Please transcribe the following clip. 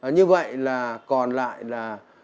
như vậy còn lại là